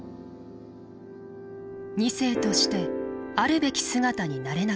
２世としてあるべき姿になれなかった。